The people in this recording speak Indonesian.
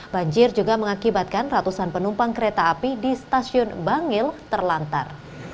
banjir juga mengakibatkan ratusan penumpang kereta api di stasiun bangil terlantar